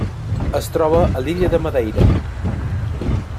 Es troba a l'illa de Madeira.